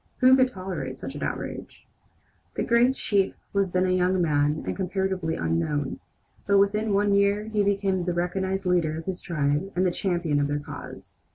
Who could tolerate such an outrage? The great chief was then a young man and comparatively unknown; but within one year he became the recognized leader of his tribe and the champion of their cause.